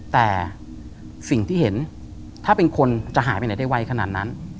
แต่สิ่งที่เห็นถ้าเป็นคนจะหายไปไหนได้ไวขนาดนั้น